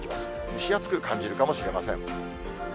蒸し暑く感じるかもしれません。